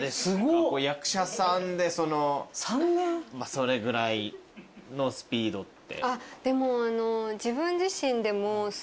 それぐらいのスピードって。